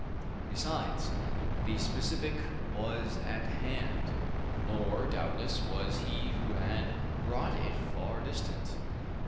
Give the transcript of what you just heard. And besides, the specific was at hand; nor, doubtless, was he who had brought it far distant!